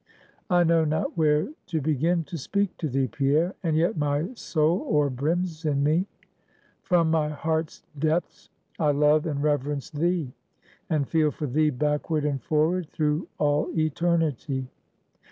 "I know not where to begin to speak to thee, Pierre; and yet my soul o'erbrims in me." "From my heart's depths, I love and reverence thee; and feel for thee, backward and forward, through all eternity!"